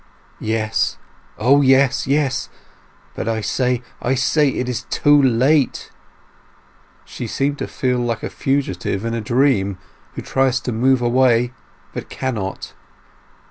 "Yes—O, yes, yes! But I say, I say it is too late." She seemed to feel like a fugitive in a dream, who tries to move away, but cannot.